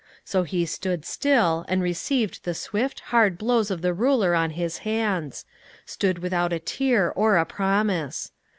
So he stood still and received the swift, hard blows of the ruler on his hands; stood without a tear or a promise.